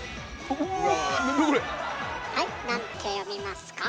はいなんて読みますか？